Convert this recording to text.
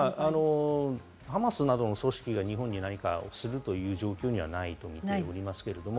ハマスなどの組織が日本に何かするという状況にはないと思いますけれども。